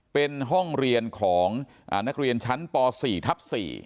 เป็นห้องเรียนของนักเรียนชั้นป๔ทับ๔